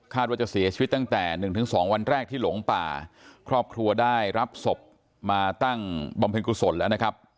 ว่าจะเสียชีวิตตั้งแต่หนึ่งถึงสองวันแรกที่หลงป่าครอบครัวได้รับศพมาตั้งบำเพ็ญกุศลแล้วนะครับ